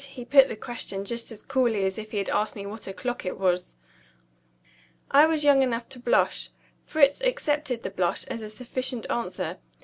He put the question just as coolly as if he had asked me what o'clock it was. I was young enough to blush. Fritz accepted the blush as a sufficient answer.